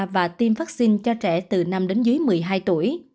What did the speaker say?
và tiêm vaccine cho trẻ từ năm đến dưới một mươi hai tuổi